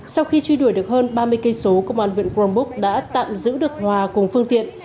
sau khi truy đuổi được hơn ba mươi km công an huyện crong búc đã tạm giữ được hòa cùng phương tiện